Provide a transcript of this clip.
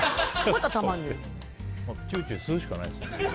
チューチュー吸うしかないですよ。